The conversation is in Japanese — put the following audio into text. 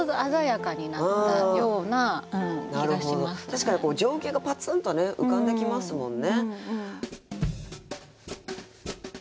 確かに情景がパツンとね浮かんできますもんね。